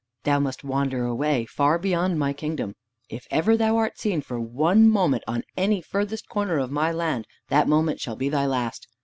Thou must wander away far beyond my kingdom. If ever thou art seen for one moment on any furthest corner of my land, that moment shall be thy last.